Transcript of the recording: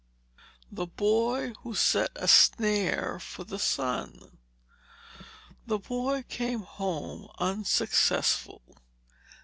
THE BOY WHO SET A SNARE FOR THE SUN |The boy came home unsuccessful.